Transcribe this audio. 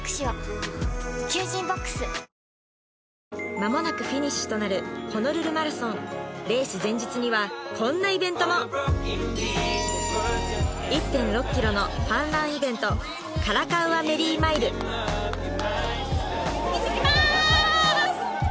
まもなくフィニッシュとなるホノルルマラソンレース前日にはこんなイベントも１．６ｋｍのファンランイベントカラカウアメリーマイル行ってきます